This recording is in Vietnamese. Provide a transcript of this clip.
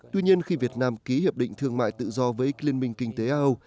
tuy nhiên khi việt nam ký hiệp định thương mại tự do với liên minh kinh tế a âu